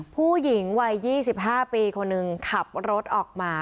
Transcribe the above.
ผู้หญิงวัย๒๕ปีคนหนึ่งขับรถออกมา